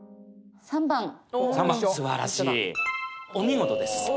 ３番３番すばらしいお見事です